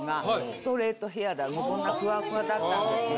ストレートヘアこんなフワフワだったんですよ。